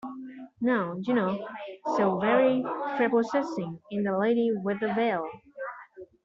Now, you know, so very prepossessing in the lady with the veil!